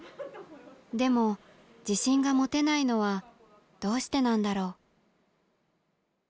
でも自信が持てないのはどうしてなんだろう。